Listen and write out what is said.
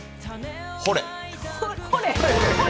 ほれ。